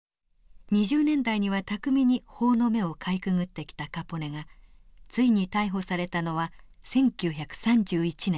２０年代には巧みに法の目をかいくぐってきたカポネがついに逮捕されたのは１９３１年。